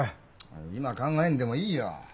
今考えんでもいいよ。